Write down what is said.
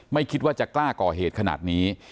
ไม่คิดว่าจะกล้าก่อเหตุขนาดนี้